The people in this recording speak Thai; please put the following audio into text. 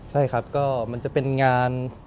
ใช่ครับก็มันจะเป็นงาน